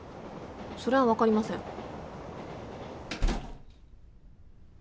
それは分かりません。